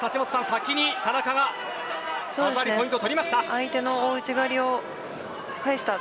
先に田中が技ありのポイントを取りました。